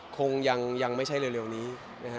คงยังไม่ใช่เร็วนี้นะฮะ